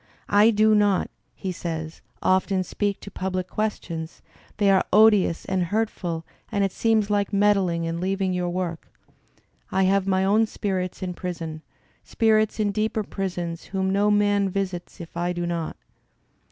"I do not," he says, "often speak to public questions; they are odious and hurtful and it seems like meddling and leaving your work. I have my own spirits in prison; spirits iq deeper prisons, whom no man visits if I do not."